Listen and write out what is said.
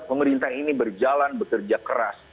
pemerintahan ini berjalan bekerja keras